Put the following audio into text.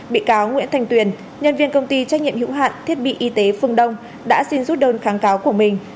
bị cáo nguyễn thành tuyền nhân viên công ty trách nhiệm hữu hạn thiết bị y tế phương đông đã xin rút đơn kháng cáo của mình